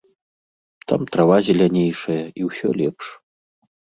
Там трава зелянейшая і ўсё лепш.